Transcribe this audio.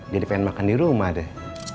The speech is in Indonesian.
jadi pengen makan di rumah deh